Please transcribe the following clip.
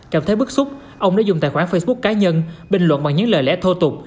cảm thấy bức xúc ông đã dùng tài khoản facebook cá nhân bình luận bằng những lời lẽ thô tục